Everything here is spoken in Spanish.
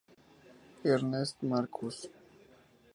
Ernst Marcus.